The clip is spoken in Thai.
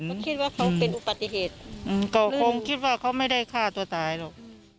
ก็คิดว่าเขาเป็นอุบัติเหตุก็คงคิดว่าเขาไม่ได้ฆ่าตัวตายหรอก